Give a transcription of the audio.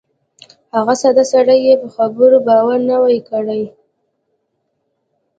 هغه ساده سړي یې په خبرو باور نه وای کړی.